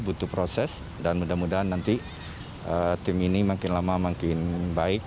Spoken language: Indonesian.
butuh proses dan mudah mudahan nanti tim ini makin lama makin baik